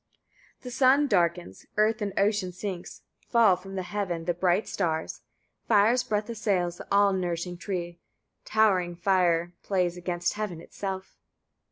56. The sun darkens, earth in ocean sinks, fall from heaven the bright stars, fire's breath assails the all nourishing tree, towering fire plays against heaven itself.